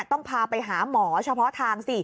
ต้องพาไปหาหมอเฉพาะทางสิ